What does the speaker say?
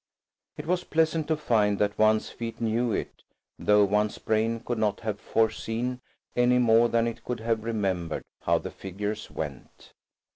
It was pleasant to find that one's feet knew it, though one's brain could not have foreseen, any more than it could have remembered, how the figures went.